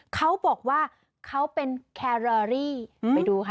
เขาบอกว่าเขาเป็นแครอรี่ไปดูค่ะ